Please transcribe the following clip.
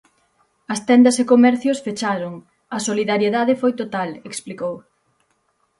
As tendas e comercios fecharon, a solidariedade foi total, explicou.